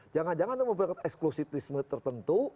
jangan jangan itu memiliki eksklusifisme tertentu